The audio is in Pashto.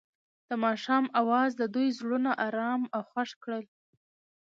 د ماښام اواز د دوی زړونه ارامه او خوښ کړل.